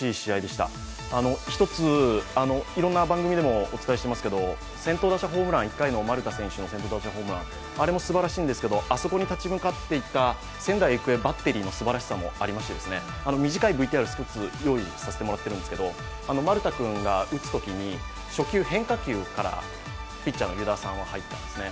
一ついろいろな番組でもお伝えしていますけれども、先頭打者ホームラン、１回の丸田選手の先頭打者ホームランあれもすばらしいんですけど、あそこに立ち向かっていった仙台育英バッテリーもすばらしくて、短いＶＴＲを用意させてもらっているんですけど、丸田君が打つときに初球、変化球からピッチャーの湯田さんは入ったんですね。